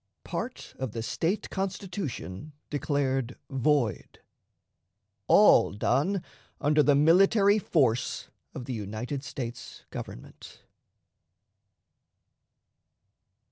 Part of the State Constitution declared void. All done under the Military Force of the United States Government.